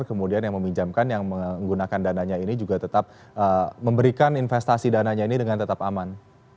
kemudian yang meminjamkan yang menggunakan dananya ini juga tetap memberikan investasi dananya ini dengan tetap aman